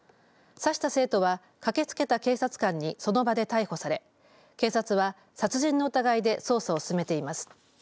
刺した生徒は駆けつけた警察官にその場で逮捕され警察は、殺人の疑いで捜査を進めています。